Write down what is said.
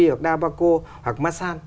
hoặc nabaco hoặc massan